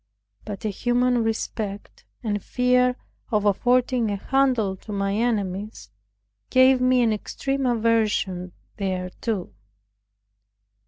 But a human respect, and fear of affording a handle to my enemies, gave me an extreme aversion thereto.